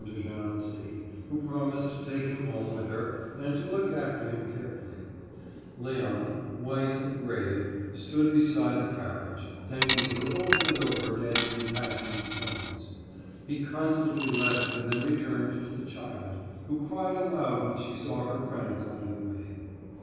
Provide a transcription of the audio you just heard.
de Gernancé, who promised to take him home with her and to look after him carefully; Léon, white and grave, stood beside the carriage, thanking her over and over again in impassioned tones. He constantly left and then returned to the child, who cried aloud when she saw her friend going away.